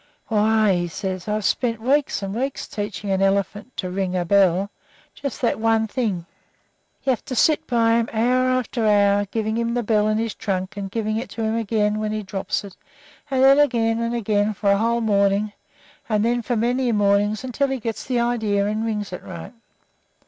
"Why," said he, "I've spent weeks and weeks teaching an elephant to ring a bell just that one thing. You have to sit by him hour after hour, giving him the bell in his trunk and giving it to him again when he drops it, and then again and again for a whole morning, and then for many mornings until he gets the idea and rings it right.